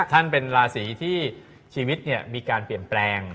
ท่านเป็นราศีที่ชีวิตมีการเปลี่ยนแปลง